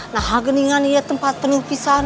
nah geningan ya tempat penuh pisan